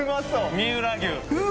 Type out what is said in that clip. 三浦牛。